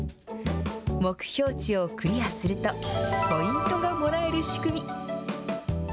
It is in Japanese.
目標値をクリアすると、ポイントがもらえる仕組み。